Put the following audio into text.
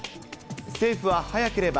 政府は早ければ、